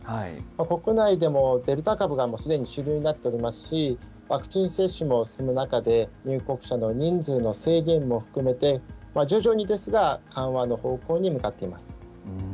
国内でもデルタ株がすでに主流になっておりますし、ワクチン接種も進む中で、入国者の人数の制限も含めて、徐々にですが、緩和の方向に向かっています。